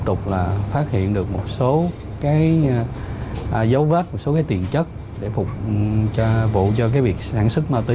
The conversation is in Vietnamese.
tục là phát hiện được một số cái dấu vết một số cái tiền chất để phục vụ cho cái việc sản xuất ma túy